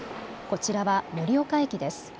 こちらは盛岡駅です。